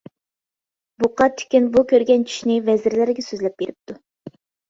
بۇقا تېكىن بۇ كۆرگەن چۈشىنى ۋەزىرلىرىگە سۆزلەپ بېرىپتۇ.